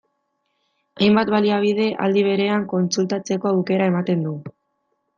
Hainbat baliabide aldi berean kontsultatzeko aukera ematen du.